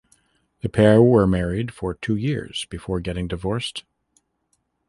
The pair were married for two years before getting divorced.